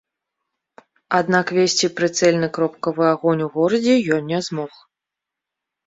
Аднак весці прыцэльны кропкавы агонь у горадзе ён не змог.